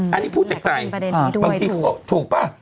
อันนี้พูดจากใจบางทีเขาถูกป่ะ